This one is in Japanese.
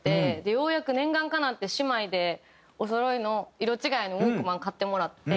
ようやく念願かなって姉妹でおそろいの色違いのウォークマン買ってもらって。